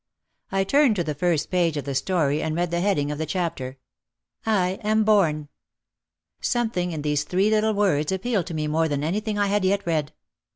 I turned to the first page of the story and read the heading of the chapter: "I am born." Something in these three little words appealed to me more than anything I had yet read.